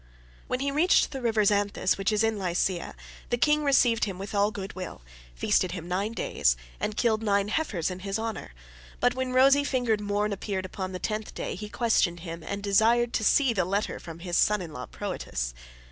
"When he reached the river Xanthus, which is in Lycia, the king received him with all goodwill, feasted him nine days, and killed nine heifers in his honour, but when rosy fingered morning appeared upon the tenth day, he questioned him and desired to see the letter from his son in law Proetus.